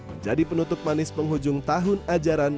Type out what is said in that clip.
menjadi penutup manis penghujung tahun ajaran